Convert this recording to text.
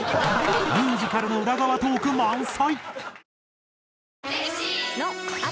ミュージカルの裏側トーク満載！